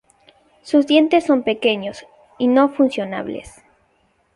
Sus dientes son pequeños y no funcionales.